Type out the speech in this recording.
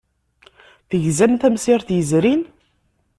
Tegzam tamsirt yezrin?